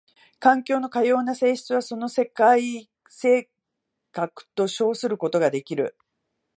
環境のかような性質はその世界性格と称することができる。